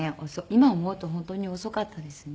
今思うと本当に遅かったですね。